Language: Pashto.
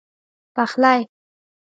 پخلی